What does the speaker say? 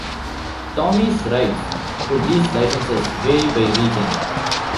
Tomy's rights to these licenses vary by region.